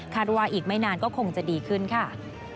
ว่าอีกไม่นานก็คงจะดีขึ้นค่ะ